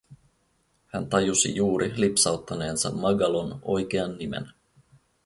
Hän tajusi juuri lipsauttaneensa Magalon oikean nimen.